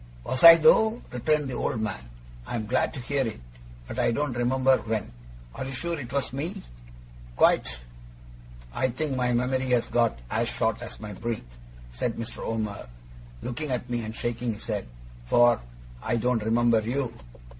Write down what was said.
'Was I though?' returned the old man. 'I'm glad to hear it, but I don't remember when. Are you sure it was me?' 'Quite.' 'I think my memory has got as short as my breath,' said Mr. Omer, looking at me and shaking his head; 'for I don't remember you.